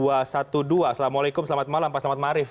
assalamualaikum selamat malam pak selamat marif